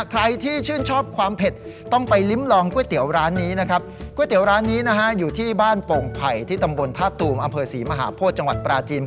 ใครที่ชื่นชอบความเผ็ด